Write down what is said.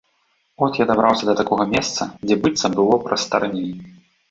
От я дабраўся да такога месца, дзе быццам было прастарней.